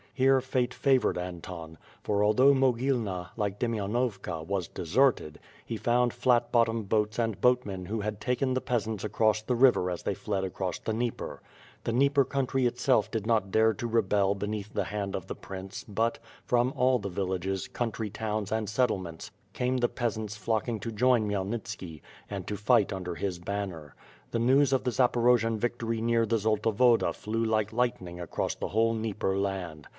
Here, fate favored Antony, for although Mogilna, like Demainovka, was deserted, he found flat bottom boats and boatmen who had taken the peasants across the river as they fled across the Dnieper. The Dnieper country itself did not dare to rebel beneath the hand of the prince but, from all the villages, country towns, and settlements came the peasants flocking to join Khmyelnitski, and to fight under his banner. The news of the Zaporojian victory near the Zolta Woda flew like light ning across the whole Dnieper land.